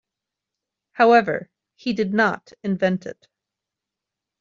However, he did not invent it.